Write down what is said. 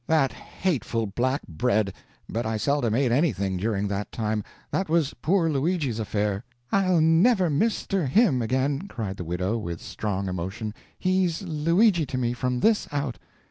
] "That hateful black bread; but I seldom ate anything during that time; that was poor Luigi's affair " "I'll never Mister him again!" cried the widow, with strong emotion, "he's Luigi to me, from this out!"